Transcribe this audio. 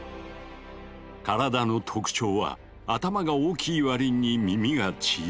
体の特徴は頭が大きい割に耳が小さい。